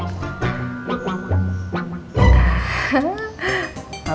apa yang ada di kepala lo